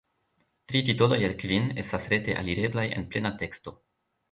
Tri titoloj el kvin estas rete alireblaj en plena teksto.